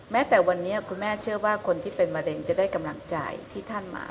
แม้แต่วันนี้คุณแม่เชื่อว่าคนที่เป็นมะเร็งจะได้กำลังใจที่ท่านมา